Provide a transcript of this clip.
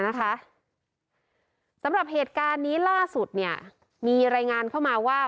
สำหรับเหตุการณ์นี้ล่าสุดเนี่ยมีรายงานเข้ามาว่า